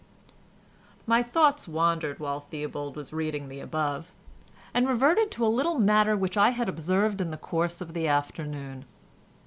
My thoughts wandered while Theobald was reading the above, and reverted to a little matter which I had observed in the course of the afternoon.